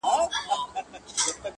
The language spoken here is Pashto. چي نه سمه نه کږه لښته پیدا سي.!.!